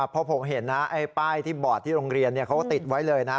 เพราะผมเห็นนะไอ้ป้ายที่บอร์ดที่โรงเรียนเขาติดไว้เลยนะ